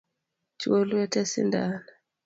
Chwo lwete sindan